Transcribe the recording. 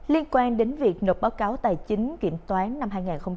liên quan đến việc nộp báo cáo tài chính kiểm toán năm hai nghìn hai mươi